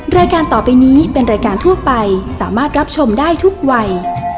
รายการต่อไปนี้เป็นรายการทั่วไปสามารถรับชมได้ทุกวัย